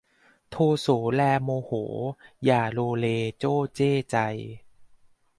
โทโสแลโมโห อย่าโลเลโจ้เจ้ใจ